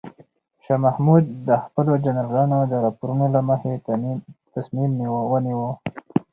شاه محمود د خپلو جنرالانو د راپورونو له مخې تصمیم ونیو.